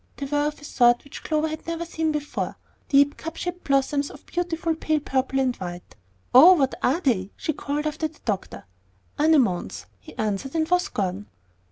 They were of a sort which Clover had never seen before, deep cup shaped blossoms of beautiful pale purple and white. "Oh, what are they?" she called after the doctor. "Anemones," he answered, and was gone.